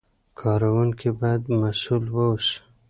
کاروونکي باید مسوول واوسي.